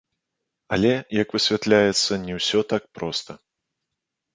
Але, як высвятляецца, не ўсё так проста.